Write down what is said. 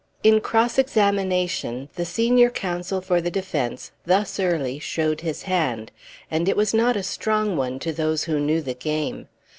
In cross examination the senior counsel for the defence thus early showed his hand; and it was not a strong one to those who knew the game.